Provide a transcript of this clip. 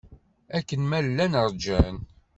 Akken ma llan ṛjan.